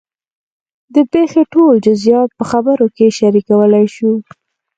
د پېښې ټول جزیات په خبرو کې شریکولی شو.